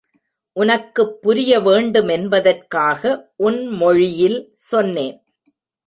உனக்குப் புரிய வேண்டுமென்பதற்காக உன் மொழியில் சொன்னேன்.